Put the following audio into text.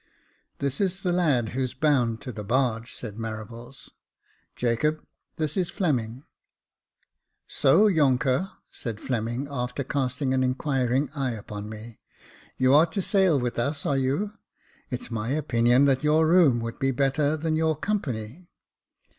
" This is the lad who is bound to the barge," said Marables. " Jacob, this is Fleming." " So, younker," said Fleming, after casting an inquiring eye upon me, "you are to sail with us, are you? It's my opinion that your room would be better than your company.